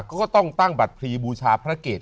ก็ต้องก็ตั้งบัดภีร์บูชาพระเกต